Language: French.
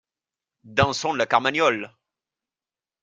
Dansons la Carmagnole!